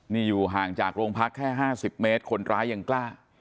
นี่อยู่ห่างจากโรงพักแค่๕๐เมตรคนร้ายยังกล้า